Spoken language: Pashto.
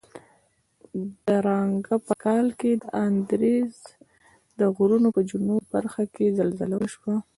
درانګه په کال کې د اندیز د غرونو په جنوب برخه کې زلزله وشوه.